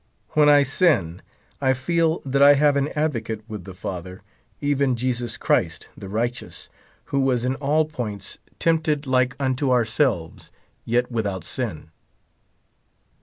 When I sin I feel that I have an advocate with the Father, even Jesus Christ, the righteous, who was in aU points tempted 89 like unto onrBelves, yet without sin.